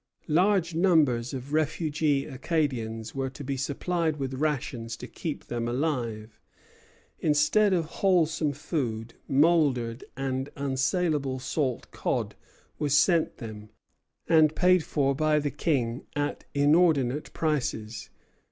Large numbers of refugee Acadians were to be supplied with rations to keep them alive. Instead of wholesome food, mouldered and unsalable salt cod was sent them, and paid for by the King at inordinate prices.